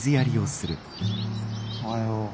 おはよう。